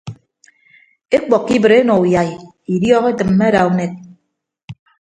Ekpọkkọ ibịt enọ uyai idiọk etịmme ada unek.